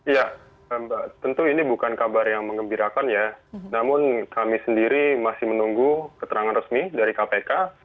ya mbak tentu ini bukan kabar yang mengembirakan ya namun kami sendiri masih menunggu keterangan resmi dari kpk